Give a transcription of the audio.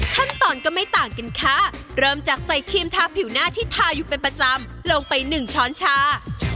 ก็ไม่ต่างกันค่ะเริ่มจากใส่ครีมทาผิวหน้าที่ทาอยู่เป็นประจำลงไปหนึ่งช้อนชา